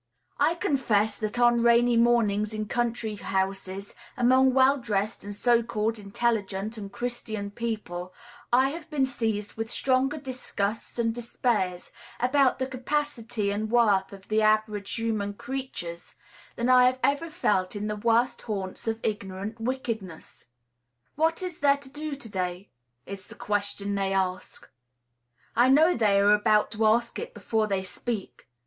I confess that on rainy mornings in country houses, among well dressed and so called intelligent and Christian people, I have been seized with stronger disgusts and despairs about the capacity and worth of the average human creature, than I have ever felt in the worst haunts of ignorant wickedness. "What is there to do to day?" is the question they ask. I know they are about to ask it before they speak.